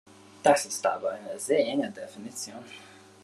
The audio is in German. Das ist aber eine sehr enge Definition.